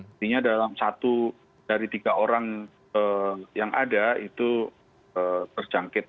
artinya dalam satu dari tiga orang yang ada itu terjangkit